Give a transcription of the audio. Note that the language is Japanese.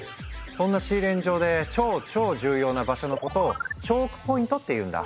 そんなシーレーン上で超超重要な場所のことを「チョークポイント」っていうんだ。